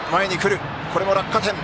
これも落下点。